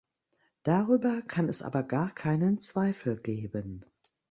Darüber kann es aber gar keinen Zweifel geben.